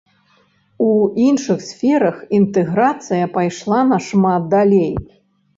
У іншых сферах інтэграцыя пайшла нашмат далей.